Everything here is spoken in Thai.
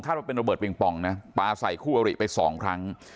ว่าเป็นระเบิดปิงปองนะปลาใส่คู่อริไปสองครั้ง